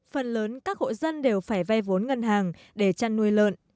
phần lớn các hộ dân đều phải ve vốn ngân hàng để chăn nuôi lợn